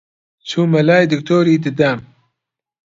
چوومە لای دکتۆری ددان